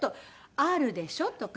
「あるでしょ？」とか。